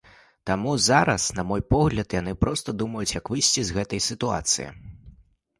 Таму зараз, на мой погляд, яны проста думаюць, як выйсці з гэтай сітуацыі.